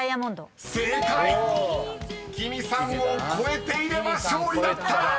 ＫＩＭＩさんを越えていれば勝利だった！］